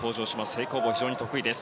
平行棒、非常に得意です。